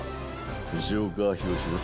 藤岡弘、です。